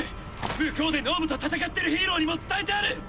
向こうで脳無と戦ってるヒーローにも伝えてある！